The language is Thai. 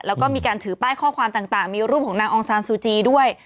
แล้วก็มีการถือป้ายข้อความต่างมีรูปของนางองซานซูจีด้วย